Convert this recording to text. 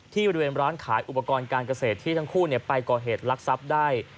บริเวณร้านขายอุปกรณ์การเกษตรที่ทั้งคู่ไปก่อเหตุลักษัพได้